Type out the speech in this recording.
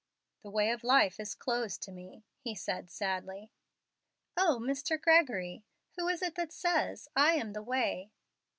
"The way of life is closed to me," he said, sadly. "O, Mr. Gregory! Who is it that says, 'I am the way?'"